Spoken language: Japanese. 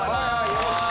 よろしく。